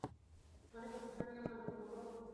মানে, পোষাপ্রাণী আর মালিকের মতো?